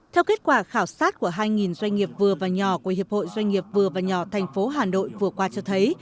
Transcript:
theo kết quả khảo sát của hai doanh nghiệp vừa và nhỏ của hiệp hội doanh nghiệp vừa và nhỏ thành phố hà nội vừa qua cho thấy